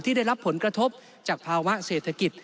ได้รับผลกระทบจากภาวะเศรษฐกิจ